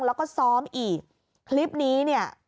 แล้วก็ซ้อมอีกคลิปนี้เนี่ย